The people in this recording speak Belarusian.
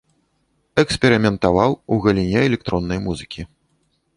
Эксперыментаваў у галіне электроннай музыкі.